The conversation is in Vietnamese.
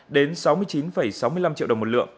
đến sáu mươi chín sáu mươi năm triệu đồng một lượng